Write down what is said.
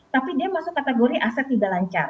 tapi dia masuk kategori aset juga lancar